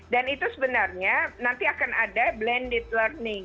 itu sebenarnya nanti akan ada blended learning